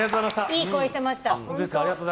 いい声してました。